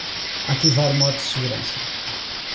Ativar modo de segurança.